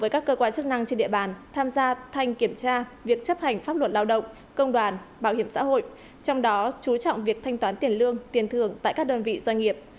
các cơ quan chức năng trên địa bàn tham gia thanh kiểm tra việc chấp hành pháp luật lao động công đoàn bảo hiểm xã hội trong đó chú trọng việc thanh toán tiền lương tiền thường tại các đơn vị doanh nghiệp